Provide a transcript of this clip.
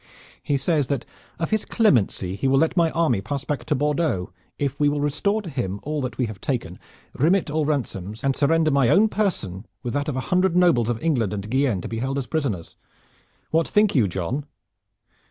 He says that of his clemency he will let my army pass back to Bordeaux if we will restore to him all that we have taken, remit all ransoms, and surrender my own person with that of a hundred nobles of England and Guienne to be held as prisoners. What think you, John?"